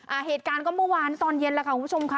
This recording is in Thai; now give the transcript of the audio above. อ่าเหตุการณ์ก็เมื่อวานตอนเย็นแหละครับคุณผู้ชมครับ